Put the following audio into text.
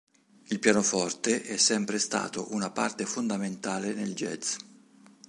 Il pianoforte è sempre stato una parte fondamentale nel jazz.